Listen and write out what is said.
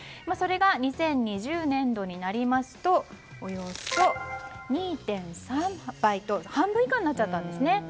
それが２０２０年度になりますとおよそ２．３杯と半分以下になっちゃったんです。